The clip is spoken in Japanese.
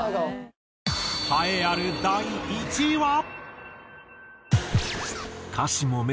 栄えある第１位は。